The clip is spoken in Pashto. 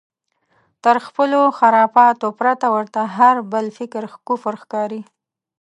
تر خپلو خرافاتو پرته ورته هر بل فکر کفر ښکاري.